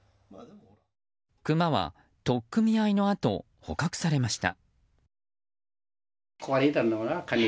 クマは取っ組み合いのあと捕獲されました。